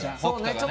そうね